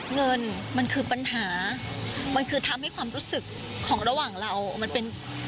เงินมันคือปัญหามันคือทำให้ความรู้สึกของระหว่างเรามันเป็น